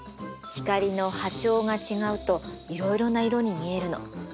光の波長が違うといろいろな色に見えるの。